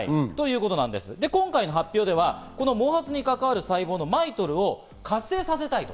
で、今回の発表では毛髪に関わる細胞のＭＩＴＯＬを活性化させたい。